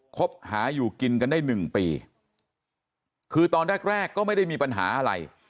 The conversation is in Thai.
คบหาอยู่กินกันได้หนึ่งปีคือตอนแรกแรกก็ไม่ได้มีปัญหาอะไร